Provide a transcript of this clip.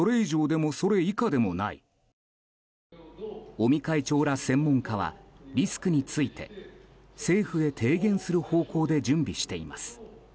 尾身会長ら専門家はリスクについて政府へ提言する方向で準備しています。